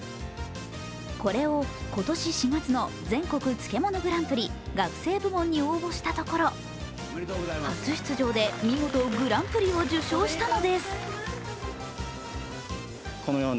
これを今年４月の全国漬物グランプリ学生部門に応募したところ、初出場で見事グランプリを受賞したのです。